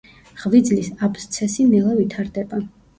ღვიძლის აბსცესი ნელა ვითარდება.